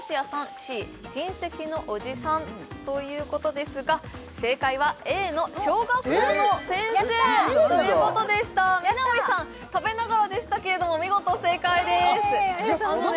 Ｃ親戚のおじさんということですが正解はＡの小学校の先生ということでした南さん食べながらでしたけれども見事正解ですイエーイ！